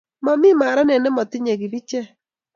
momi maranet nemotinyei kibichek